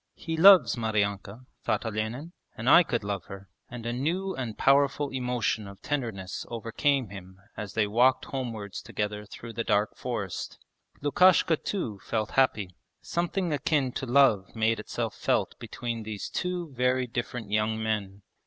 'He loves Maryanka,' thought Olenin, 'and I could love her,' and a new and powerful emotion of tenderness overcame him as they walked homewards together through the dark forest. Lukashka too felt happy; something akin to love made itself felt between these two very different young men.